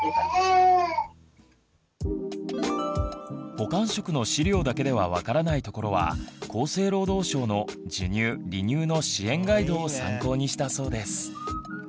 補完食の資料だけでは分からないところは厚生労働省の「授乳・離乳の支援ガイド」を参考にしたそうです。